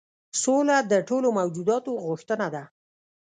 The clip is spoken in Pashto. سوله د ټولو موجوداتو غوښتنه ده.